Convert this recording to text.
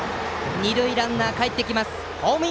二塁ランナーがかえってきます